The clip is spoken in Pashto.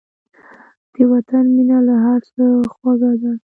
د وطن مینه له هر څه خوږه ده.